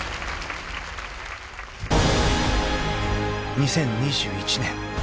［２０２１年］